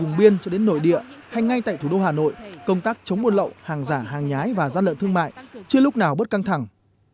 vùng biên cho đến nội địa hay ngay tại thủ đô hà nội công tác chống buôn lậu hàng giả hàng nhái và gian lận thương mại chưa lúc nào bớt căng thẳng